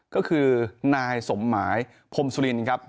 ก็คือนายสมหมายพรมสุรินครับ